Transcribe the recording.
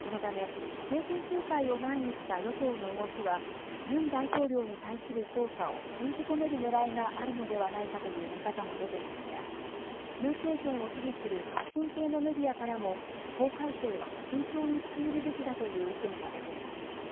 このため、政権交代を前にした与党の動きは、ムン大統領に対する捜査を封じ込めるねらいがあるのではないかという見方も出ていますが、ムン政権を支持する革新系のメディアからも、法改正は慎重に進めるべきだという意見が出ています。